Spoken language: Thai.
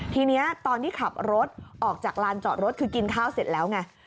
ทีนี้ตอนที่ขับรถออกจากลานจอดรถคือกินข้าวเสร็จแล้วไง